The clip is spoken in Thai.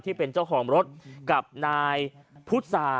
ที่เป็นเจ้าของรถกับนายพุทธา